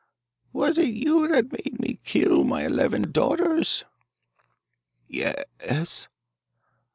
'Was it you that made me kill my eleven daughters?' 'Ye e s!